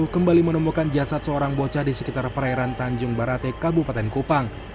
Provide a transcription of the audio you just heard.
kembali menemukan jasad seorang bocah di sekitar perairan tanjung baratek kabupaten kupang